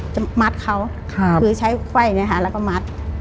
มัดเขาคือใช้ไขว้แล้วก็มัด